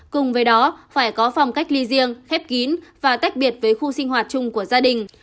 cùng với đó phải có phòng cách ly riêng khép kín và tách biệt với khu sinh hoạt chung của gia đình